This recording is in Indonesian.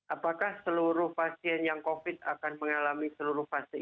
apakah seluruh pasien yang covid akan mengalami seluruh fase ini